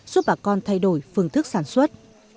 giúp bà con thay đổi phương thức sản xuất